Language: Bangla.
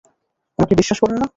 আমাকে বিশ্বাস করেন না?